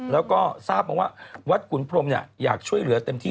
แล้วก็ทราบมาว่าวัดขุนพรมอยากช่วยเหลือเต็มที่